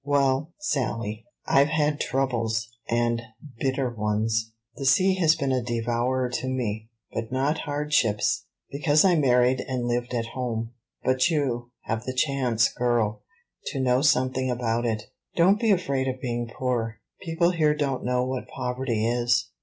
"Well, Sally, I've had troubles, and bitter ones; the sea has been a devourer to me; but not hardships, because I married and lived at home; but you have the chance, girl, to know something about it. Don't be afraid of being poor; people here don't know what poverty is.